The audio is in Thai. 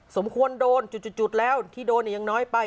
สมควรโดนจุดแล้วที่โดนเนี่ยยังน้อยไป